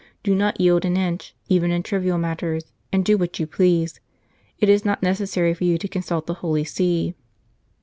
" Do not yield an inch, even in trivial matters, and do what you please ; it is not neces sary for you to consult the Holy See."